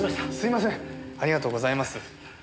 ありがとうございます。